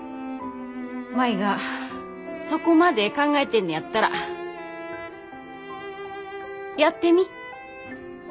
舞がそこまで考えてんねやったらやってみ。